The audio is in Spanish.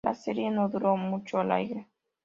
La serie no duró mucho al aire.